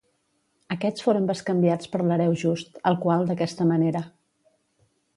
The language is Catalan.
Aquests foren bescanviats per l'Hereu Just, el qual d'aquesta manera.